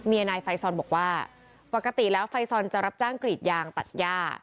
นายไฟซอนบอกว่าปกติแล้วไฟซอนจะรับจ้างกรีดยางตัดย่า